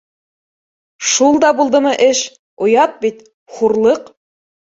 Шул да булдымы эш? Оят бит, хур- Лыҡ